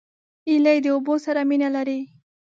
هیلۍ د اوبو سره مینه لري